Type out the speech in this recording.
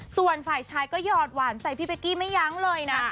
ส่วนฝ่ายชายก็หยอดหวานใส่พี่เป๊กกี้ไม่ยั้งเลยนะ